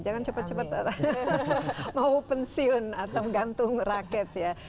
jangan cepet cepet mau pensiun atau menggantung rakyat ya